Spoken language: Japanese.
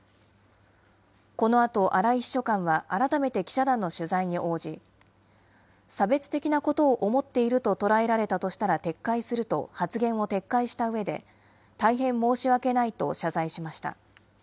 このあと荒井秘書官は改めて記者団の取材に応じ、差別的なことを思っていると捉えられたとしたら撤回すると、発言を撤回したうえで、大変申し訳ないと謝罪しました。